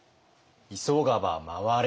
「急がば回れ！」。